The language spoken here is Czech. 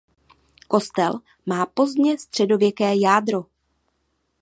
Kostel má pozdně středověké jádro.